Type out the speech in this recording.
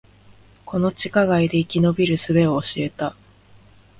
この地下街で生き延びる術を教えた